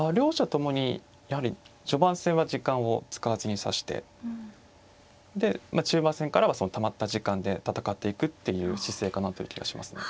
ともにやはり序盤戦は時間を使わずに指してで中盤戦からはたまった時間で戦っていくっていう姿勢かなという気がしますね。